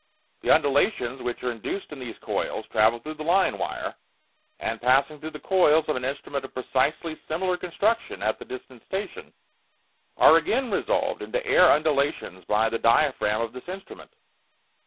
The undulations which are induced in these coils travel through the line wire, and, passing through the coils of an instrument of precisely similar construction at the distant station, are again resolved into air undulations by the diaphragm of this instrument.